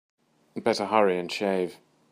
Better hurry and shave.